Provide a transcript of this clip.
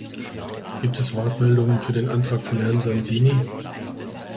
Gibt es Wortmeldungen für den Antrag von Herrn Santini?